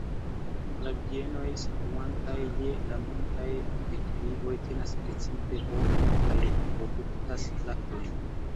La bienoj situantaj je la montaj deklivoj tenas precipe bovojn kaj produktas lakton.